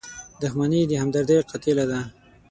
• دښمني د همدردۍ قاتله ده.